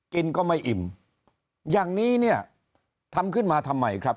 กินก็ไม่อิ่มอย่างนี้เนี่ยทำขึ้นมาทำไมครับ